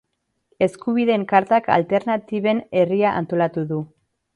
Eskubideen Kartak Alternatiben Herria antolatu du.